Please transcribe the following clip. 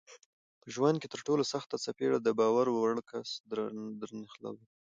په ژوند کې ترټولو سخته څپېړه دباور وړ کس درنښلوي